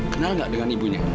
kenal nggak dengan ibunya